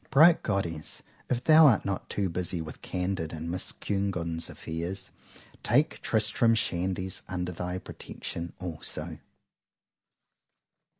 Bright Goddess, If thou art not too busy with CANDID and Miss CUNEGUND'S affairs,—take Tristram Shandy's under thy protection also.